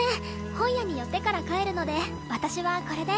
本屋に寄ってから帰るので私はこれで。